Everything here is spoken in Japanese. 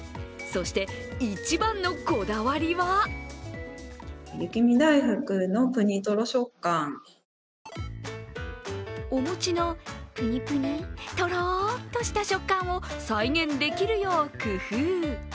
そして、一番のこだわりはお餅のぷにぷに、とろっとした食感を再現できるよう工夫。